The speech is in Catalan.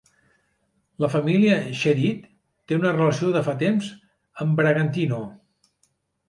La família Chedid té una relació de fa temps amb Bragantino.